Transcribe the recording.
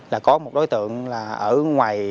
là có một đối tượng ở ngoài